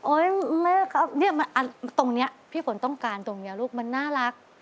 แม่ครับเนี่ยตรงนี้พี่ฝนต้องการตรงนี้ลูกมันน่ารัก